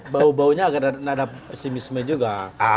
bau baunya agak pesimisme juga